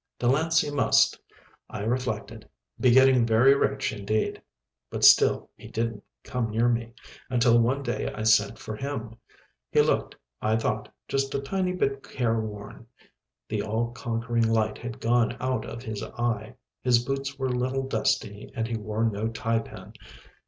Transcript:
"Delancey must," I reflected, "be getting very rich indeed." But still he didn't come near me, until one day I sent for him. He looked, I thought, just a tiny bit care worn. The all conquering light had gone out of his eye. His boots were a little dusty and he wore no tie pin.